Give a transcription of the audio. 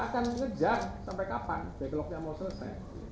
mereka akan mengejar sampai kapan developnya mau selesai